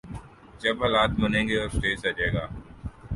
جب حالات بنیں گے اور سٹیج سجے گا۔